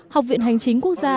học viện hành chính quốc gia